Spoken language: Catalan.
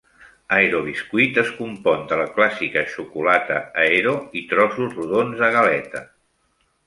Aero Biscuit es compon de la clàssica xocolata Aero i trossos rodons de galeta.